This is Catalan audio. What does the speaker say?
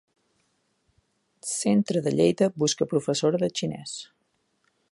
Centre de Lleida busca professora de xinès.